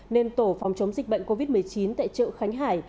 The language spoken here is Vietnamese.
nên tổ phòng chống dịch bệnh covid một mươi chín tại chợ khánh hải